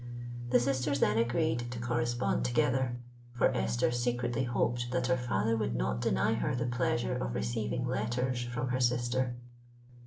The sisters then agreed to correspond together; for Esther secretly hoped that her father would not deny her the pleasure of receiving letters from her sister.